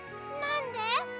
なんで？